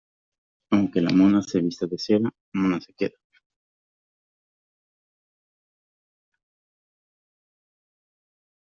Aunque la mona se vista de seda, mona se queda.